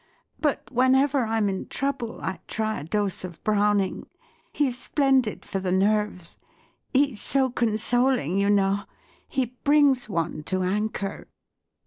But whenever I'm in trouble, I try a dose of Browning. He's splendid for the nerves. He's so consoling, you know; he brings one to anchor."